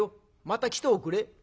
また来ておくれ」。